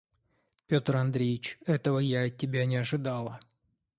Петр Андреич! Этого я от тебя не ожидала.